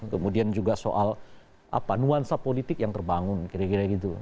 kemudian juga soal nuansa politik yang terbangun kira kira gitu